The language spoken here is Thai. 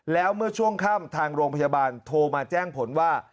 แล้วเมื่อช่วงค่ำทางโรงพยาบาลโทรมาแจ้งผลว่า